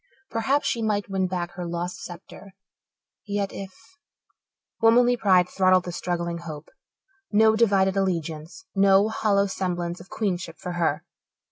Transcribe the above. Perhaps she might win back her lost sceptre, yet if Womanly pride throttled the struggling hope. No divided allegiance, no hollow semblance of queenship for her!